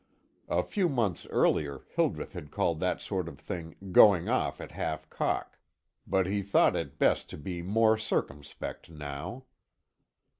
A few months earlier, Hildreth had called that sort of thing "going off at half cock," but he thought it best to be more circumspect now.